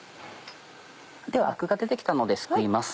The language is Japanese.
ではアクが出て来たのですくいます。